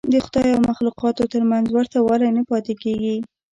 د خدای او مخلوقاتو تر منځ ورته والی نه پاتې کېږي.